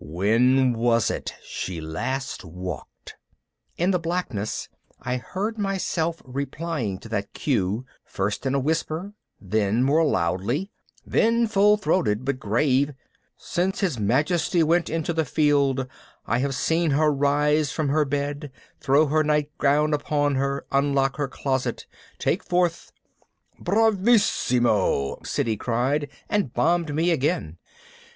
When was it she last walked?" In the blackness I heard myself replying to that cue, first in a whisper, then more loudly, then full throated but grave, "Since his majesty went into the field, I have seen her rise from her bed, throw her nightgown upon her, unlock her closet, take forth " "Bravissimo!" Siddy cried and bombed me again.